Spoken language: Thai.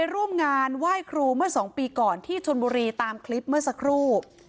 ร่วมงานไหว้ครูเมื่อ๒ปีก่อนที่ชนบุรีตามคลิปเมื่อสักครู่